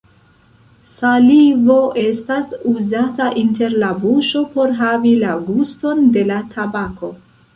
Salivo estas uzata inter la buŝo por havi la guston de la tabako.